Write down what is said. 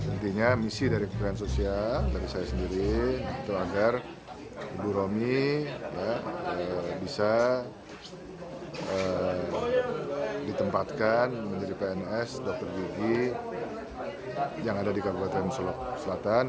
intinya misi dari kementerian sosial dari saya sendiri itu agar ibu romi bisa ditempatkan menjadi pns dr gigi yang ada di kabupaten selok selatan